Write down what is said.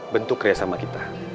bentuk kerjasama kita